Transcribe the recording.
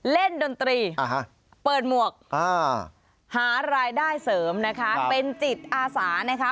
ดนตรีเปิดหมวกหารายได้เสริมนะคะเป็นจิตอาสานะคะ